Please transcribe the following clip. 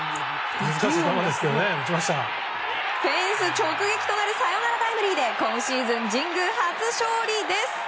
フェンス直撃となるサヨナラタイムリーで今シーズン神宮初勝利です。